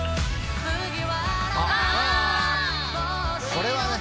これはね。